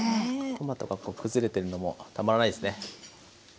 トマトがこう崩れてるのもたまらないですね！